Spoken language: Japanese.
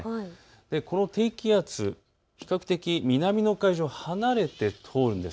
この低気圧、比較的南の海上を離れて通るんです。